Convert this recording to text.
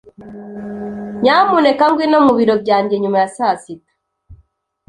Nyamuneka ngwino mu biro byanjye nyuma ya saa sita.